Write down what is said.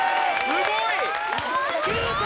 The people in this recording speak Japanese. すごい！